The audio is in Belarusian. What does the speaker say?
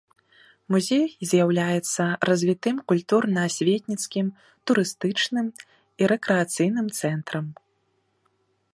Музей з'яўляецца развітым культурна-асветніцкім, турыстычным і рэкрэацыйным цэнтрам.